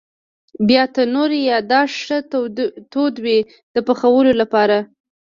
بیا تنور یا داش ښه تودوي د پخولو لپاره.